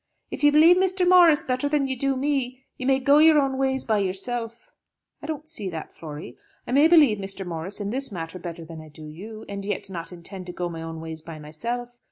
"If you believe Mr. Morris better than you do me, you may go your own ways by yourself." "I don't see that, Flory. I may believe Mr. Morris in this matter better than I do you, and yet not intend to go my own ways by myself.